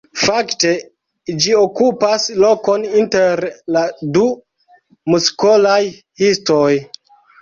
Fakte ĝi okupas lokon inter la du muskolaj histoj.